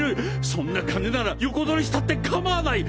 そんな金なら横取りしたってかまわない！